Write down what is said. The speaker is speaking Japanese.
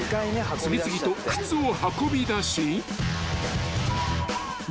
［次々と靴を運び出し］